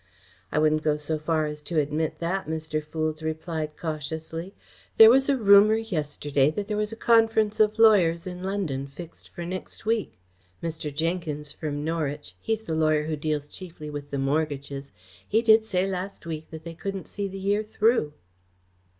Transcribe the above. "I wouldn't go so far as to admit that," Mr. Foulds replied cautiously. "There was a rumour yesterday that there was a conference of lawyers in London fixed for next week. Mr. Jenkins from Norwich he's the lawyer who deals chiefly with the mortgages he did say last week that they couldn't see the year through."